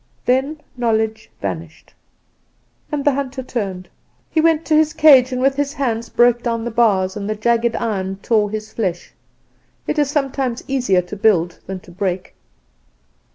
"Then Knowledge vanished. "And the hunter turned. He went to his cage, and with his hands broke down the bars, and the jagged iron tore his flesh. It is sometimes easier to build than to break.